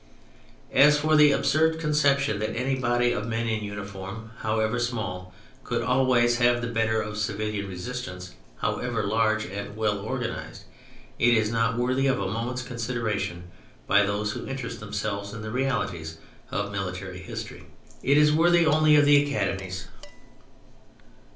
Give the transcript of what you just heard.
As for the absurd conception that any body of men in uniform, however small, could always have the better of civilian resistance, however large and well organised, it is not worthy of a moment's consideration by those who interest themselves in the realities of military history. It is worthy only of the academies.